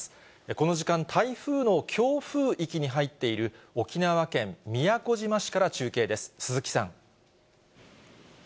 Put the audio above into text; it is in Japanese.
この時間、台風の強風域に入っている沖縄県宮古島市から中継です、鈴木さん。